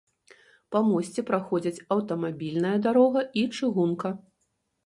Па мосце праходзяць аўтамабільная дарога і чыгунка.